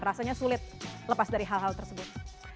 rasanya sulit lepas dari hal hal tersebut